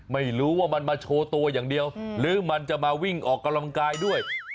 ไม่รู้ว่ามันมาโชว์ตัวอย่างเดียวหรือมันจะมาวิ่งออกกำลังกายด้วย